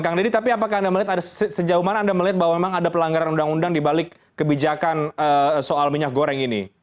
kang deddy tapi apakah anda melihat ada sejauh mana anda melihat bahwa memang ada pelanggaran undang undang dibalik kebijakan soal minyak goreng ini